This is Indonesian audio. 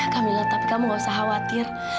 kamilah tapi kamu gak usah khawatir